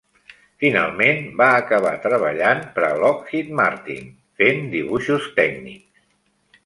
Finalment va acabar treballant per a Lockheed Martin fent dibuixos tècnics.